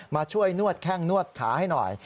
มาช่วยนวดแข้งนวดขาให้หน่อย